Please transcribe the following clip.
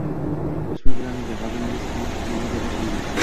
O‘smir bilan g‘azabingiz kelib turganda gaplashmang.